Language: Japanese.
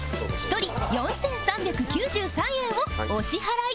１人４３９３円をお支払い